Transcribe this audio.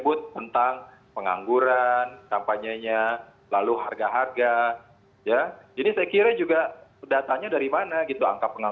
ohh kamu bagian indies insteadtsjette bernah aja